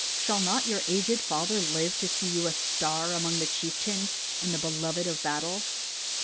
Shall not your aged father live to see you a star among the chieftains and the beloved of battle?"